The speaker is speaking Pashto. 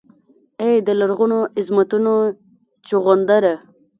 ای دلرغونوعظمتوچونغره!